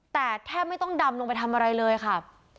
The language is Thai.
แต่แทบไม่ต้องดำลงไปทำอะไรเลยค่ะ